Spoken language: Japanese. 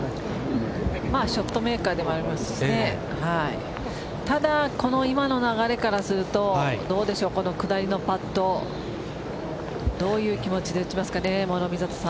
ショットメーカーでもありますしただこの今の流れからするとこの下りのパットどういう気持ちで打ちますか。